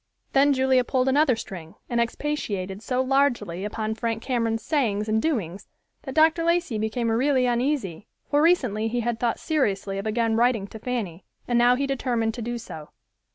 Then Julia pulled another string and expatiated so largely upon Frank Cameron's sayings and doings that Dr. Lacey became really uneasy, for recently he had thought seriously of again writing to Fanny, and now he determined to do so.